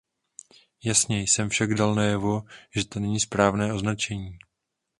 Jasně jsem však dala najevo, že to není správné označení.